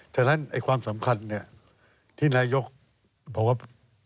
ฉะนั้นความสำคัญเนี่ยที่นายกบอกว่า